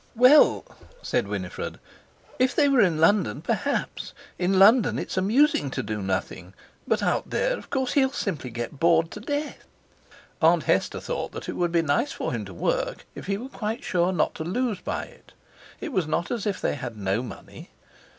"Well," said Winifred, "if they were in London, perhaps; in London it's amusing to do nothing. But out there, of course, he'll simply get bored to death." Aunt Hester thought that it would be nice for him to work, if he were quite sure not to lose by it. It was not as if they had no money.